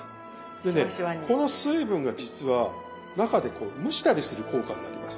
でねこの水分が実は中でこう蒸したりする効果になります。